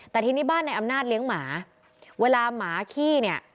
แต่ทีนี้บ้านในอำนาจเลี้ยงหมาเวลาหมาขี้เนี่ย